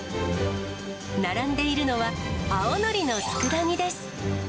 並んでいるのは、青のりのつくだ煮です。